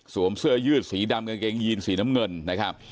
เสื้อยืดสีดำกางเกงยีนสีน้ำเงินนะครับ